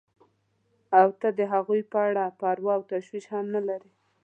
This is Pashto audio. او ته د هغوی په اړه پروا او تشویش هم نه لرې.